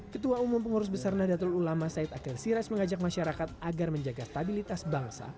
ketua umum pengurus besar nahdlatul ulama said akan siraj mengajak masyarakat agar menjaga stabilitas bangsa